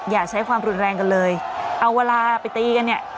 อย่าใช้ความรุนแรงกันเลยเอาเวลาไปตีกันเนี่ย